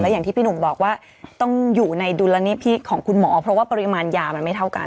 อย่างที่พี่หนุ่มบอกว่าต้องอยู่ในดุลนิพิษของคุณหมอเพราะว่าปริมาณยามันไม่เท่ากัน